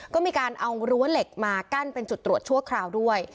ก็มีการเอารั้วเหล็กมากั้นเป็นจุดตรวจชั่วคราวด้วย